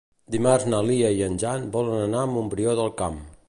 Dimarts na Lia i en Jan volen anar a Montbrió del Camp.